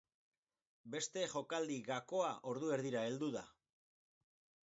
Beste jokaldi gakoa ordu erdira heldu da.